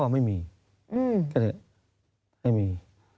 ไม่มี